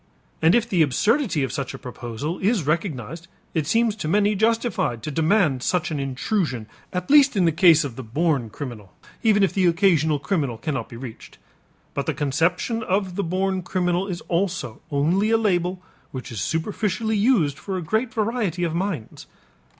And if the absurdity of such a proposal is recognized it seems to many justified to demand such an intrusion at least in the case of the born criminal, even if the occasional criminal cannot be reached. But the conception of the born criminal is also only a label which is superficially used for a great variety of minds.